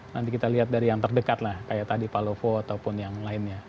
nanti kita lihat dari yang terdekat lah kayak tadi pak lovo ataupun yang lainnya